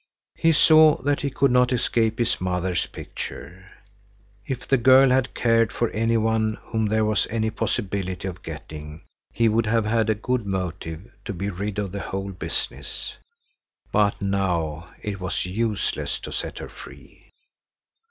He saw that he could not escape his mother's picture. If the girl had cared for any one whom there was any possibility of getting, he would have had a good motive to be rid of the whole business. But now it was useless to set her free.